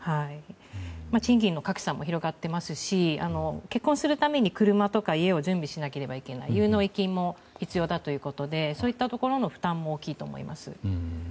賃金の格差も広がっていますし結婚するために車とか家を準備しなければならない結納金も必要だということでそういったところの負担も大きいと思います。